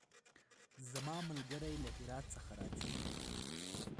زما ملګری له هرات څخه راځی